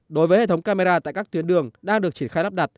đối với hệ thống camera tại các tuyến đường đang được triển khai lắp đặt